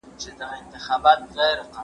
ډېر ښکلي کلمات یې اوډلي او زه پوهېږم